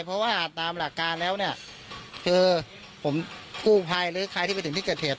เพราะว่าตามหลักการแล้วเนี่ยคือผมกู้ภัยหรือใครที่ไปถึงที่เกิดเหตุ